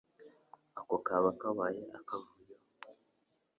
ako kaba kabaye akavuyo.